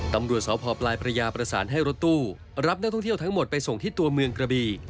ตำรวจสพปลายพระยาประสานให้รถตู้รับนักท่องเที่ยวทั้งหมดไปส่งที่ตัวเมืองกระบี